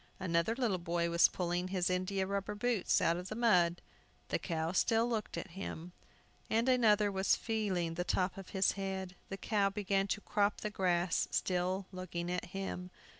Another little boy was pulling his india rubber boots out of the mud. The cow still looked at him. Another was feeling the top of his head. The cow began to crop the grass, still looking at him.